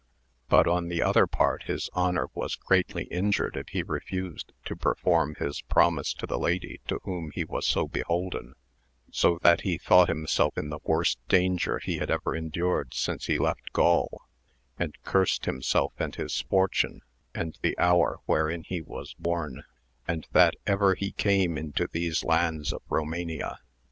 But on the other part his honour was greatly injured if he refused to perform his promise to the lady to whom he was so beholden, so that he thought himself in the worst danger he had ever endured since he left Gaul, and cursed himself and his fortune, and the hour wherein he was born, and that ever he came into these lands AMADIS OF GAUL. 305 if Romania.